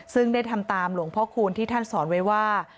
ซึ่งได้ทำตามหลวงพ่อคูณที่ท่านสอนไว้ว่า